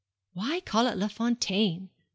'Why call it Les Fontaines?'